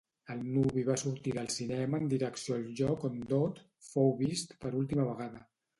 El nuvi va sortir del cinema en direcció al lloc on Dodd fou vist per última vegada.